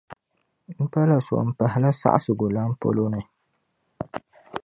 M-pala so m-pahila saɣisigu lana polo ni.